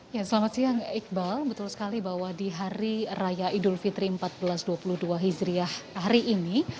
ya selamat siang iqbal betul sekali bahwa di hari raya idul fitri seribu empat ratus dua puluh dua hijriah hari ini